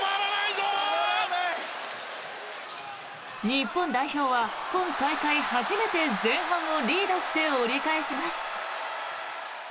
日本代表は今大会初めて前半をリードして折り返します。